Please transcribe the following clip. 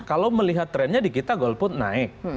kalau melihat trennya di kita golput naik